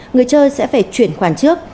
người chơi sẽ phải chuyển khoản trước